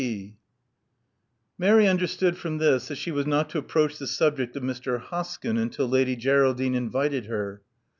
— G, P." Mary understood from this that she was not to approach the subject of Mr. Hoskyn until Lady Geraldine invited her.